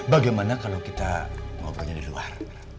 bagaimana kalau kita ngobrolnya di luar